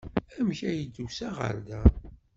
Amek ay d-tusa ɣer da?